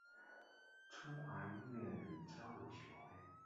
中华音乐人交流协会